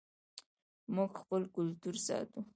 موږ خپل کلتور ساتو